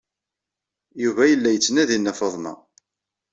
Yuba yella yettnadi Nna Faḍma.